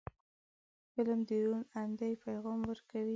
فلم د روڼ اندۍ پیغام ورکوي